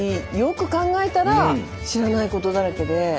よく考えたら知らないことだらけで。